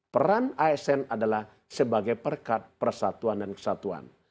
peran asn adalah sebagai perkat persatuan dan kesatuan